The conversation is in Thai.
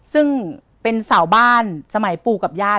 ซึ่งเป็นสาวบ้านสมัยปู่กับญาติ